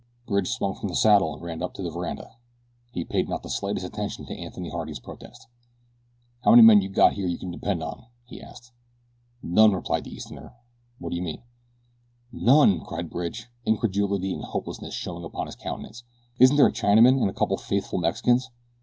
Bridge swung from the saddle and ran up onto the veranda. He paid not the slightest attention to Anthony Harding's protest. "How many men you got here that you can depend on?" he asked. "None," replied the Easterner. "What do you mean?" "None!" cried Bridge, incredulity and hopelessness showing upon his countenance. "Isn't there a Chinaman and a couple of faithful Mexicans?"